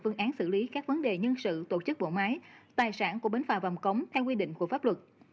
phương án xử lý các vấn đề nhân sự tổ chức bộ máy tài sản của bến phà vàm cống theo quy định của pháp luật